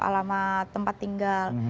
alamat tempat tinggal